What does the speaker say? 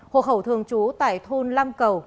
hộ khẩu thường trú tại thôn lam cầu